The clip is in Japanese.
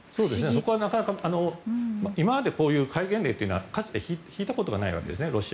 そこはなかなか今までこういう戒厳令というのはかつて敷いたことがないわけですね。